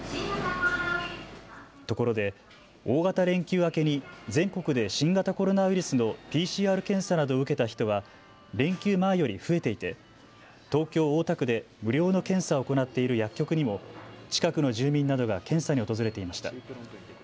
ところで大型連休明けに全国で新型コロナウイルスのＰＣＲ検査などを受けた人は連休前より増えていて東京・大田区で無料の検査を行っている薬局にも近くの住民などが検査に訪れていました。